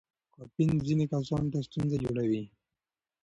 کافین ځینو کسانو ته ستونزه جوړوي.